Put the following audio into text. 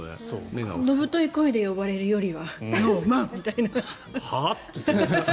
野太い声で呼ばれるよりは。